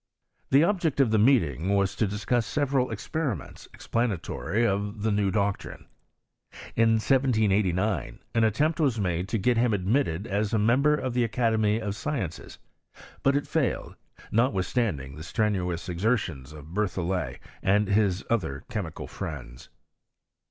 The object of the meeting was to discuss several experiments explanatory of the new doctrine. In 1789 an attempt was made to get him admitted as a member of the Academy of Sciences ; but it failed, notwithstanding the strenu ous exertions of BerthoUet and his other chemical friends.